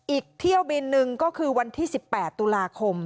อีกเที่ยวบินหนึ่งก็คือวันที่๑๘ตุลาคม